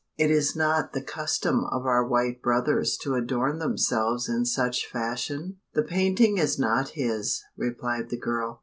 It is not the custom of our white brothers to adorn themselves in such fashion?" "The painting is not his," replied the girl.